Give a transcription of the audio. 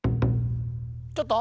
ちょっと？